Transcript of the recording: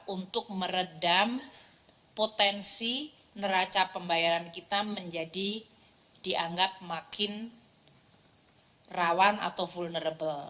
untuk meredam potensi neraca pembayaran kita menjadi dianggap makin rawan atau vulnerable